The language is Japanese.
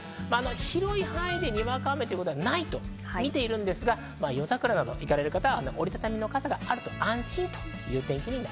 広い範囲でにわか雨はないと見ていますが、夜桜などを見に行かれる方は折り畳みの傘があると安心です。